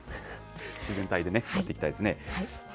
自然体でね、やっていきたいですね。